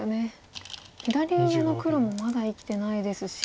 左上の黒もまだ生きてないですし。